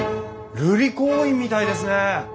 瑠璃光院みたいですね！